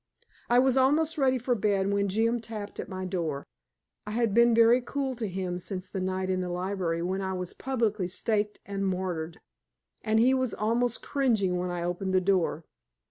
I was almost ready for bed when Jim tapped at my door. I had been very cool to him since the night in the library when I was publicly staked and martyred, and he was almost cringing when I opened the door.